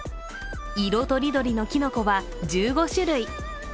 色とりどりのきのこは１５種類。